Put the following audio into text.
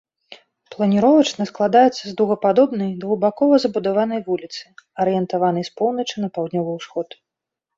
Планіровачна складаецца з дугападобнай, двухбакова забудаванай вуліцы, арыентаванай з поўначы на паўднёвы ўсход.